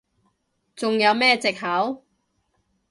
仲有咩藉口？